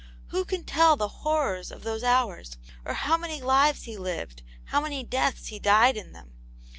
Who can tell the horrors of those hours ? Or how many lives he lived, how many deaths he died in them.